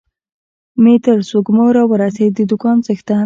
مې تر سږمو را ورسېد، د دوکان څښتن.